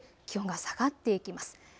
気温が下がっていきます。